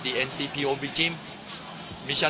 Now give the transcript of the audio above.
คุณคิดเรื่องนี้ได้ไหม